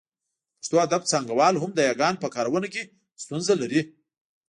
د پښتو ادب څانګوال هم د یاګانو په کارونه کې ستونزه لري